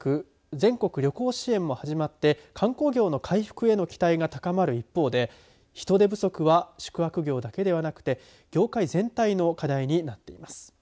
全国旅行支援も始まって観光業の回復への期待が高まる一方で人手不足は宿泊業だけではなくて業界全体の課題になっています。